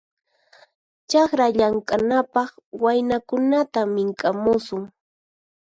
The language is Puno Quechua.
Chakra llamk'anapaq waynakunata mink'amusun.